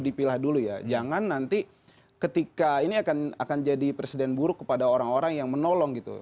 dipilah dulu ya jangan nanti ketika ini akan jadi presiden buruk kepada orang orang yang menolong gitu